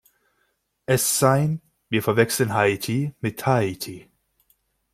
Es sein, wir verwechseln Haiti mit Tahiti.